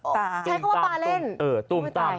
คงใช้คำว่าไปปาเล่น